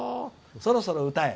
そろそろ歌え。